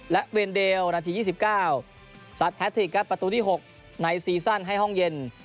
และเวนเดลนาที๒๙สัดแฮทิกครับประตูที่๖ในซีซั่นให้ห้องเย็น